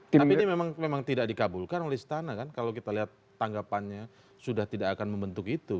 tapi ini memang tidak dikabulkan oleh istana kan kalau kita lihat tanggapannya sudah tidak akan membentuk itu